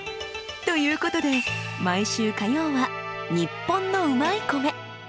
ということで毎週火曜は「ニッポンのうまい米」。